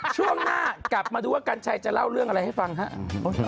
ช่วงหน้ากลับมาดูว่ากัญชัยจะเล่าอะไรและเค้า